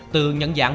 từ nhận dạng